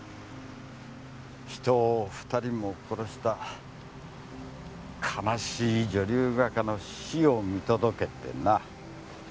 人を２人も殺した悲しい女流画家の死を見届けてな。